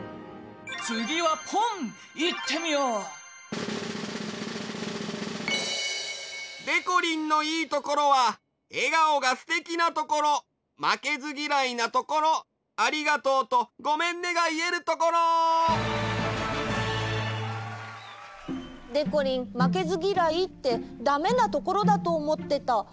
つぎはポンいってみよう！でこりんのいいところはえがおがすてきなところまけずぎらいなところ「ありがとう」と「ごめんね」がいえるところ！でこりんまけずぎらいってダメなところだとおもってた。